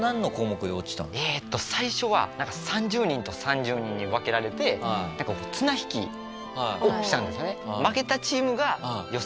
えっと最初は３０人と３０人に分けられて綱引きをしたんですね。